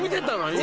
今。